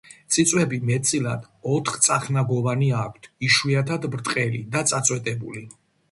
წიწვები მეტწილად ოთხწახნაგოვანი აქვთ, იშვიათად ბრტყელი და წაწვეტებული.